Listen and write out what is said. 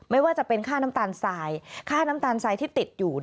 ไม่ว่าจะเป็นค่าน้ำตาลทรายค่าน้ำตาลทรายที่ติดอยู่